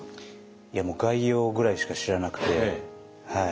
いやもう概要ぐらいしか知らなくて。